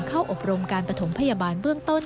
อบรมการปฐมพยาบาลเบื้องต้น